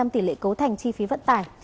tỷ lệ cấu thành chi phí vận tải